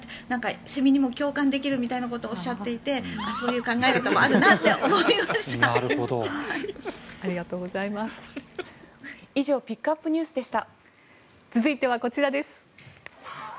セミにも共感できるみたいなことをおっしゃっていてそういう考え方もあるなって思いました。